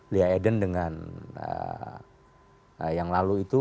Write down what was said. lia eden dengan yang lalu itu